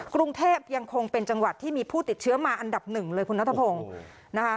กรุงเทพยังคงเป็นจังหวัดที่มีผู้ติดเชื้อมาอันดับหนึ่งเลยคุณนัทพงศ์นะคะ